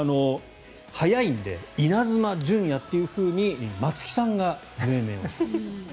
速いのでイナズマ純也というふうに松木さんが命名をしたと。